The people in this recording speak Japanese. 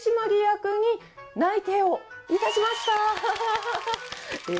社外取締役に内定をいたしました。